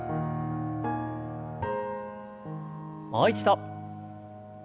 もう一度。